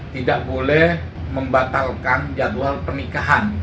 tidak boleh membatalkan jadwal pernikahan